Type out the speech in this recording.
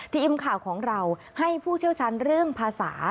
ทีมข่าวของเราให้ผู้เชี่ยวชาญเรื่องภาษา